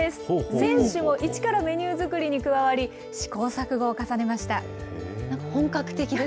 選手も一からメニュー作りに加わり、試行錯誤を重ねました。